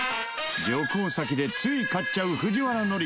旅行先でつい買っちゃう藤原紀香。